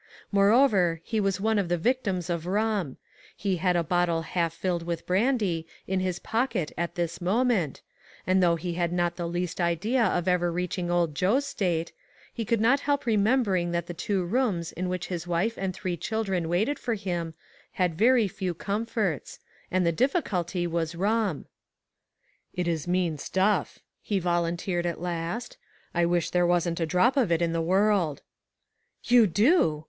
Moreover, he was one of the victims of rum ; he had a bot tle half filled with brandy, in his pocket at this moment, and though he had not the least idea of ever reaching old Joe's state, he could not help remembering that the two rooms in which his wife and three children waited for him, had very few comforts ; and the difficulty was rum. " It is mean stuff," he volunteered at last. " I wish there wasn't a drop of it in the world." " You do